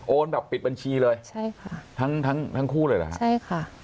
แบบปิดบัญชีเลยใช่ค่ะทั้งทั้งทั้งคู่เลยเหรอฮะใช่ค่ะ